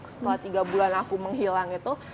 setelah tiga bulan aku menghilang itu